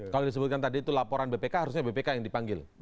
kalau disebutkan tadi itu laporan bpk harusnya bpk yang dipanggil